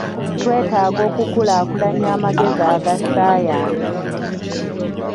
Twetaaga okukulaakulanya amagezi aga ssayansi.